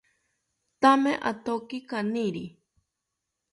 Thame athoki kaniri